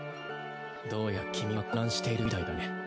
どうやら君は混乱しているみたいだね。